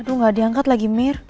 tuh gak diangkat lagi mir